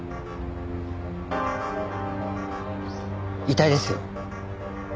遺体ですよ。